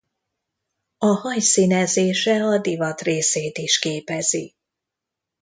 A haj színezése a divat részét is képezi.